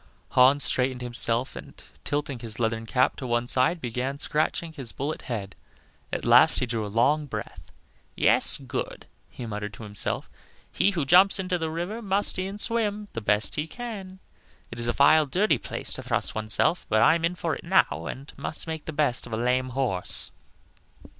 Hans straightened himself, and tilting his leathern cap to one side, began scratching his bullet head; at last he drew a long breath. "Yes, good," he muttered to himself; "he who jumps into the river must e'en swim the best he can. It is a vile, dirty place to thrust one's self; but I am in for it now, and must make the best of a lame horse."